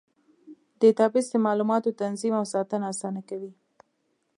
ډیټابیس د معلوماتو تنظیم او ساتنه اسانه کوي.